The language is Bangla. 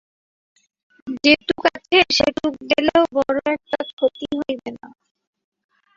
যেটুকু আছে সেটুকু গেলেও বড় একটা ক্ষতি হইবে না।